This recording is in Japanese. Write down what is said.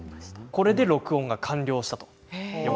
これで録音が完了しました。